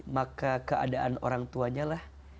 maka keadaan orang tuanya lah